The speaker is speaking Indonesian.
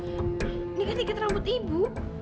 ini kan dikit rambut ibu